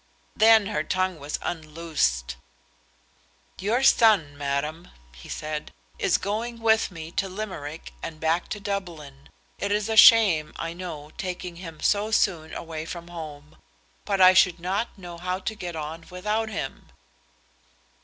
Then her tongue was unloosed. "Your son, madam," he said, "is going with me to Limerick and back to Dublin. It is a shame, I know, taking him so soon away from home, but I should not know how to get on without him."